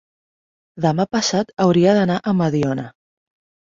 demà passat hauria d'anar a Mediona.